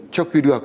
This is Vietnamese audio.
cho khi được